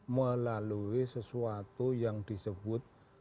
melalui sesuatu yang disebut